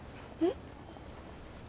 えっ？